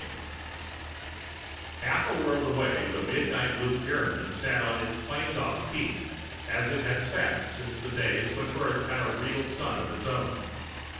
IV Half a world away, the midnight blue Pyramid sat on its planed off peak as it had sat since the days when Earth had a real sun of its own.